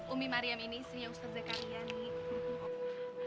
umi mariam ini sih yang serjek karya nih